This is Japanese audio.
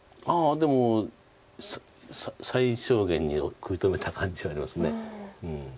でも最小限には食い止めた感じはあります。